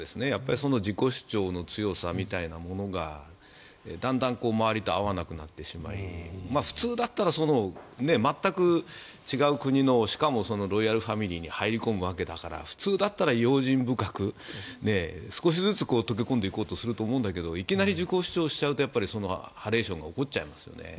自己主張の強さみたいなものがだんだん周りと合わなくなってしまい普通だったら全く違う国のしかもロイヤルファミリーに入り込むわけだから普通だったら用心深く少しずつ溶け込んでいこうとすると思うんだけどいきなり自己主張しちゃうとハレーションが起こっちゃいますよね。